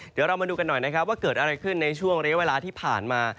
เดี๋ยวเรามาดูกันหน่อยนะครับว่าเกิดอะไรขึ้นในช่วงเรียกเวลาที่ผ่านมา